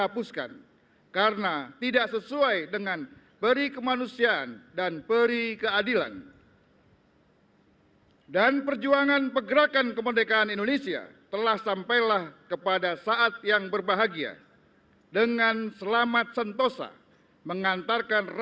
tanda kebesaran buka hormat senjata